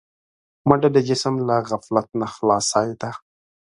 منډه د جسم له غفلت نه خلاصي ده